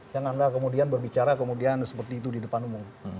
yang anda kemudian berbicara kemudian seperti itu di depan umum